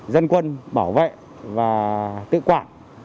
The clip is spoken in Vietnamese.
dân quân bảo vệ và tự quản